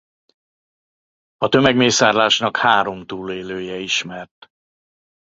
A tömegmészárlásnak három túlélője ismert.